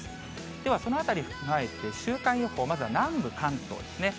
ではそのあたりを踏まえて、週間予報、まずは南部関東ですね。